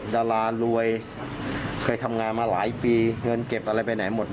ดารารวยเคยทำงานมาหลายปีเงินเก็บอะไรไปไหนหมด